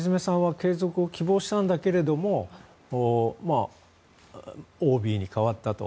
３年で橋詰さんは継続を希望したんだけれどもＯＢに代わったと。